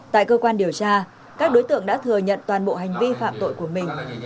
tại cơ quan điều tra các đối tượng đã thừa nhận toàn bộ hành vi phạm tội của mình